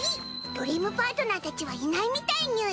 ドリームパートナーたちはいないみたいにゅい！